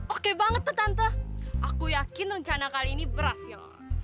oke banget tuh tante aku yakin rencana kali ini berhasil